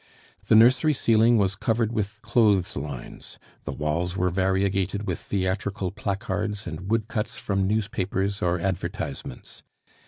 The nursery ceiling was covered with clothes lines, the walls were variegated with theatrical placards and wood cuts from newspapers or advertisements.